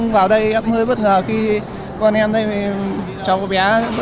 với cả vài người nữa